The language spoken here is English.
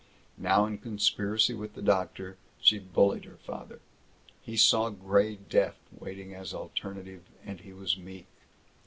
Now, in conspiracy with the doctor, she bullied her father. He saw gray death waiting as alternative, and he was meek.